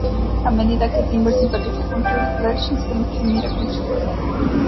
A medida que Timber simpatiza con Twilight, Flash Sentry mira con tristeza.